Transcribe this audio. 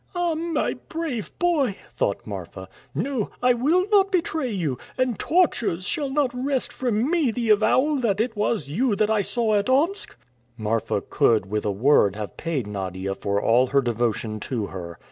"Ah, my brave boy!" thought Marfa. "No, I will not betray you, and tortures shall not wrest from me the avowal that it was you whom I saw at Omsk." Marfa could with a word have paid Nadia for all her devotion to her.